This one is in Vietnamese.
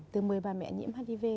từ một mươi bà mẹ nhiễm hạt nhiễm